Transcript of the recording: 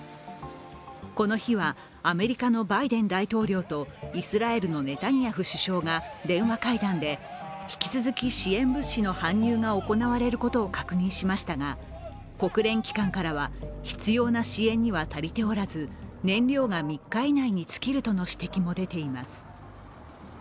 この日は、アメリカのバイデン大統領とイスラエルのネタニヤフ首相が、電話会談で引き続き支援物資の搬入が行われることを確認しましたが、国連機関からは、必要な支援には足りておらず燃料が３日以内に尽きるとの指摘も出ています。